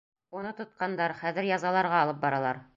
Уны тотҡандар, хәҙер язаларға алып баралар.